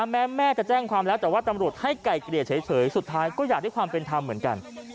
แม่จะแจ้งความแล้วแต่ว่าตำรวจให้ไก่เกลี่ยเฉยสุดท้ายก็อยากได้ความเป็นธรรมเหมือนกัน